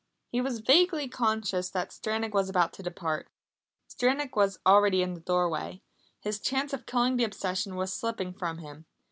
He was vaguely conscious that Stranack was about to depart. Stranack was already in the doorway. His chance of killing the obsession was slipping from him!